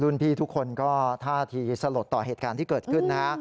พี่ทุกคนก็ท่าทีสลดต่อเหตุการณ์ที่เกิดขึ้นนะฮะ